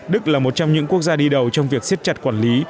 đức là một trong những quốc gia đi đầu trong việc siết chặt quản lý